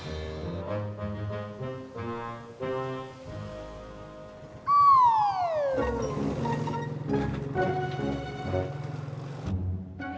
mas pur makasih